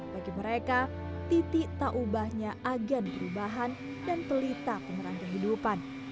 bagi mereka titik taubahnya agen perubahan dan pelita penerang kehidupan